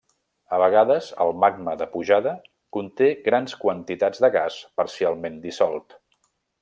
A vegades el magma de pujada conté grans quantitats de gas parcialment dissolt.